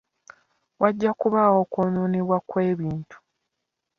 Wajja kubaawo okwonoonebwa kw'ebintu.